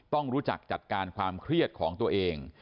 ต้องรู้จักจัดการความเครียดของตัวเอง